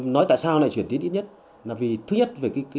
nói tại sao chuyển tuyến ít nhất là vì thứ nhất